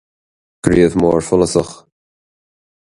Gníomh mór follasach.